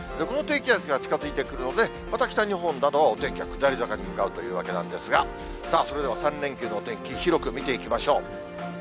この低気圧が近づいてくるので、また北日本など、お天気は下り坂に向かうというわけなんですが、それでは３連休のお天気、広く見ていきましょう。